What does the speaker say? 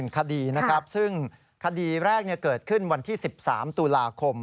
คดีนะครับซึ่งคดีแรกเกิดขึ้นวันที่๑๓ตุลาคม